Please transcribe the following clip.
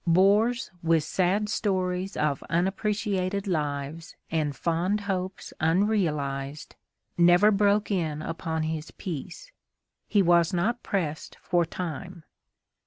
Bores with sad stories of unappreciated lives and fond hopes unrealized, never broke in upon his peace. He was not pressed for time.